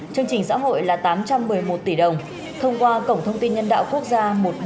chương trình xã hội là tám trăm một mươi một tỷ đồng thông qua cổng thông tin nhân đạo quốc gia một nghìn bốn trăm linh